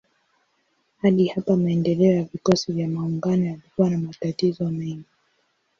Hadi hapa maendeleo ya vikosi vya maungano yalikuwa na matatizo mengi.